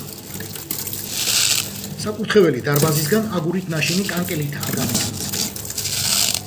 საკურთხეველი დარბაზისგან აგურით ნაშენი კანკელითაა გამიჯნული.